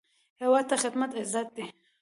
هیواد ته خدمت عزت دی